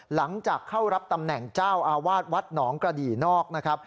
หลังจากเข้ารับตำแหน่งเจ้าอาวาสวัดหนองกระดี่นอกนะครับ